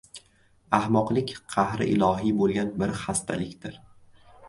-Ahmoqlik qahri ilohiy bo‘lgan bir xastalikdir.